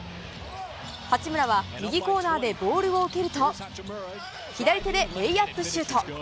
八村は右コーナーでボールを受けると、左手でレイアップシュート。